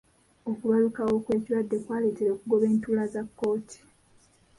Okubalukawo kw'ekirwadde kwaleetera okugoba entuula za kkooti.